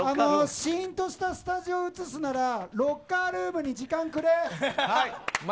シーンとしたスタジオを映すならロッカールームに時間くれ。